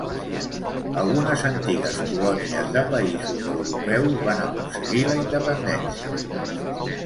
Algunes antigues colònies de països europeus van aconseguir la independència.